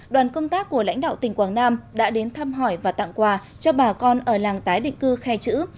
đoàn công tác của lãnh đạo tỉnh quảng nam đã đến thăm hỏi và tặng quà cho bà con ở làng tái định cư khe chữ